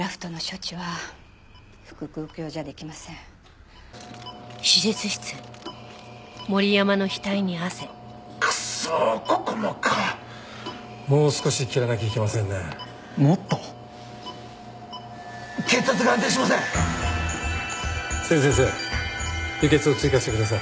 千住先生輸血を追加してください。